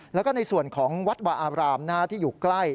แล้วก็ในส่วนของวัดวาอาบรามที่อยู่ใกล้